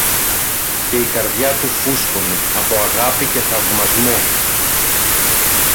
και η καρδιά του φούσκωνε από αγάπη και θαυμασμό